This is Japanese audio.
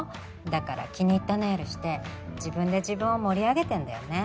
だから気に入ったネイルして自分で自分を盛り上げてんだよね。